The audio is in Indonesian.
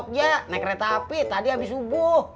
surthi udah pulang ke jogja naik kereta api tadi habis subuh bapaknya